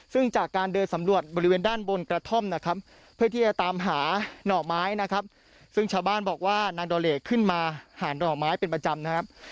ซึ่งจากการเดินสำรวจบริเวณด้านบนกระท่อมนะครับเพื่อที่จะตามหาหน่อไม้นะครับซึ่งชาวบ้านบอกว่านางดอเลขึ้นมาหานหน่อไม้เป็นประจำนะครับ